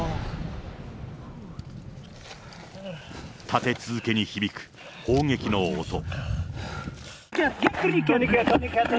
立て続けに響く砲撃の音。